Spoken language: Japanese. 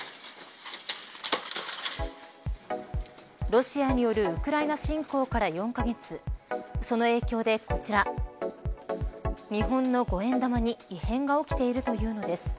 ロシアによるウクライナ侵攻から４カ月その影響で、こちら日本の５円玉に異変が起きているというのです。